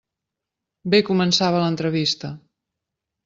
Bé començava l'entrevista.